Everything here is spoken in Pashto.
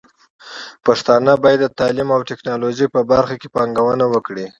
پښتانه بايد د تعليم او ټکنالوژۍ په برخه کې پانګونه وکړي.